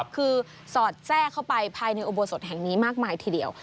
คือสอดแทรกเข้าไปภายในอุโบสถแห่งนี้มากมายทีเดียว